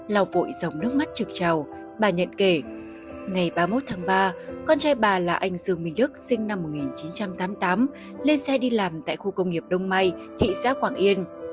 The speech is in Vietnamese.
lau vội dòng nước mắt trực tràng bà nhận kể ngày ba mươi một tháng ba con trai bà là anh dương minh đức sinh năm một nghìn chín trăm tám mươi tám lên xe đi làm tại khu công nghiệp đông may thị xã quảng yên